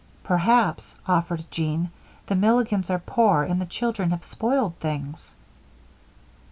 "Perhaps," offered Jean, "the Milligans are poor and the children have spoiled things."